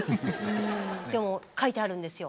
でも書いてあるんですよ